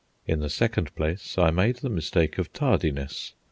In the second place, I made the mistake of tardiness.